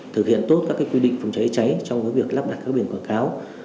thực hiện tốt các quy định phòng cháy cháy trong việc lắp đặt các biển quảng cáo